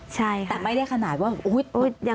ใช่ค่ะแต่ไม่ได้ขนาดว่าอุ๊ยยังไม่ได้ปวดขนาดนั้น